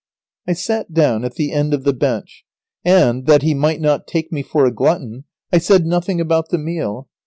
I sat down at the end of the bench, and, that he might not take me for a glutton, I said nothing about the meal.